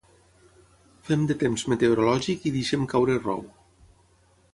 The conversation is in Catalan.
Fem de temps meteorològic i deixem caure rou.